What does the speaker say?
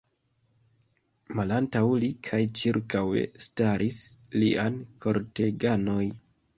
Malantaŭ li kaj ĉirkaŭe staris liaj korteganoj.